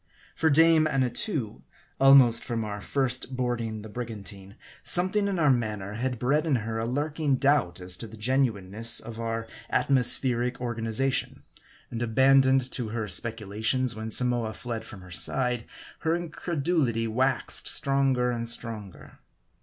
For dame Annatoo, almost from our first" boarding the brigantine, something in our manner had bred in her a lurk ing doubt as to the genuineness of our atmospheric organiza tion ; and abandoned to her speculations when Samoa fled from her side, her incredulity waxed stronger and stronger.